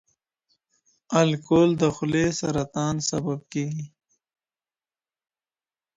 الکول د خولې سرطان سبب کېږي.